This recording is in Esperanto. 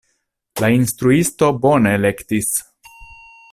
La instruisto bone elektis.